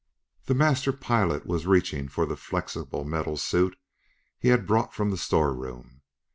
The master pilot was reaching for the flexible metal suit he had brought from the store room.